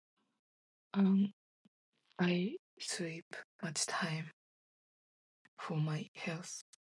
Um, I sleep much time for my health.